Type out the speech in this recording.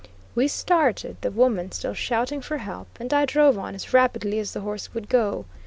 We started; the woman still shouting for help, and I drove on as rapidly as the horse would go.